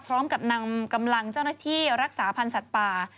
พร้อมกับนำกำลังเจ้าหน้าที่รักษาพันธ์สัตว์ป่า